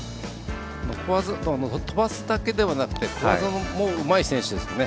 飛ばすだけではなくて小技もうまい選手ですもんね。